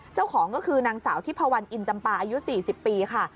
เจ้าของก็คือนางสาวทิพวันอินจำปาอายุ๔๐ปีค่ะ